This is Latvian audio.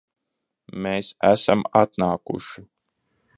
Mēs esam atnākuši